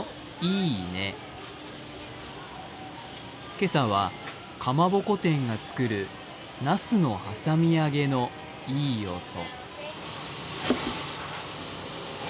今朝はかまぼこ店が作るなすのはさみ揚げのいい音。